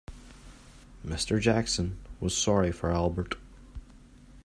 Mr. Jackson was sorry for Albert.